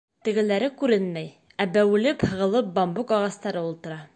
Тегеләре күренмәй, ә бәүелеп-һығылып бамбук ағастары ултыра.